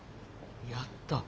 やった。